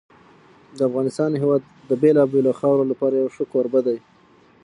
د افغانستان هېواد د بېلابېلو خاورو لپاره یو ښه کوربه دی.